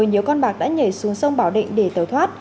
nhiều con bạc đã nhảy xuống sông bảo định để tẩu thoát